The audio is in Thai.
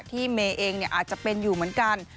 ที่เมเองเนี่ยอาจจะเป็นอยู่เหมือนกัน